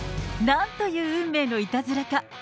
なんという運命のいたずらか。